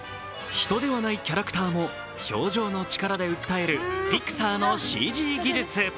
人ではないキャラクターも表情の力で訴えるピクサーのＣＧ技術。